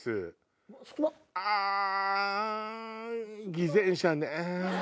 偽善者ね。